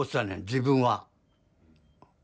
自分は。